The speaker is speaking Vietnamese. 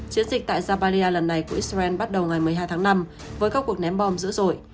chiến dịch tại zarbaya lần này của israel bắt đầu ngày một mươi hai tháng năm với các cuộc ném bom dữ dội